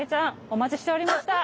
お待ちしておりました。